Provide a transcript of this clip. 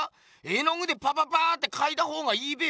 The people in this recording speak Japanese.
絵の具でパパパってかいた方がいいべよ？